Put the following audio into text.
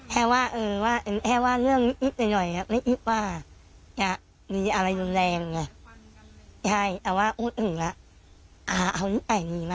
เขาเอามาแบบว่าเวลาเอาอิงอุ๊ยอุ๊ยอ้วยไง